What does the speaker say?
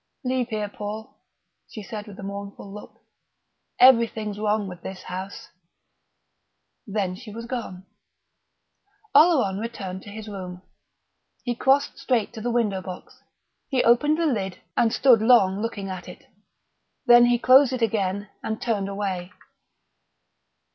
"Leave here, Paul," she said, with a mournful look. "Everything's wrong with this house." Then she was gone. Oleron returned to his room. He crossed straight to the window box. He opened the lid and stood long looking at it. Then he closed it again and turned away.